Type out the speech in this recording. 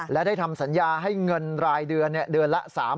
และได้ทำสัญญาให้เงินรายเดือนเดือนละ๓๐๐